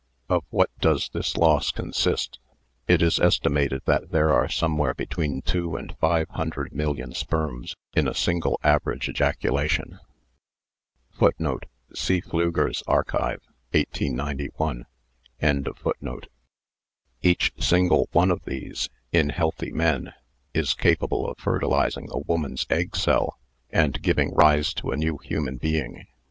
Of what does this loss consist.? It is estimated that there are somewhere between two and five hundred million sperms in a single average ejacula tion.* Each single one of these (in healthy men) is capable of fertilising a woman's egg cell and giving rise to a new human being.